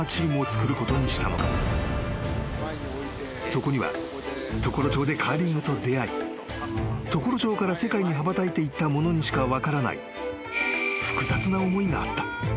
［そこには常呂町でカーリングと出合い常呂町から世界に羽ばたいていった者にしか分からない複雑な思いがあった］